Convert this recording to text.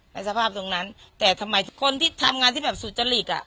ในสภาพตรงนั้นแต่ทำไมคนที่ทำงานที่แบบสุจริตอ่ะ